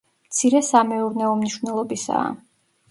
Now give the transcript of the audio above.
მცირე სამეურნეო მნიშვნელობისაა.